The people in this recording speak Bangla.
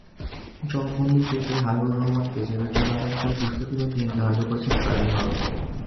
জবানবন্দি শেষে হাবিবুর রহমানকে জেরার জন্য আগামীকাল বৃহস্পতিবার দিন ধার্য করেছেন ট্রাইব্যুনাল।